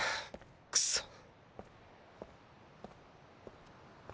クソッ